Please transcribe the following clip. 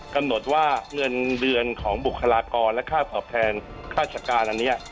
กำหนดว่าเงินเดือนของบุคลากรและค่าตอบแทนค่าชการอันนี้